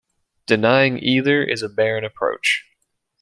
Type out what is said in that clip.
Denying either is a barren approach.